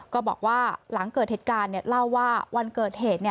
ก็บอกว่าหลังเกิดเหตุการณ์เล่าว่าวันเกิดเหตุ